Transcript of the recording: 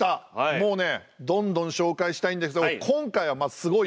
もうねどんどん紹介したいんですけど今回はすごいよ。